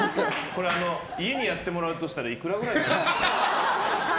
家にやってもらうとしたらいくらぐらい？